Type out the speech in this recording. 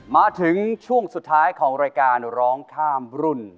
มาถึงช่วงสุดท้ายของรายการร้องข้ามรุ่น